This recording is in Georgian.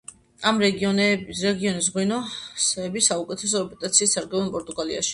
ამ რეგიონის ღვინოები საუკეთესო რეპუტაციით სარგებლობენ პორტუგალიაში.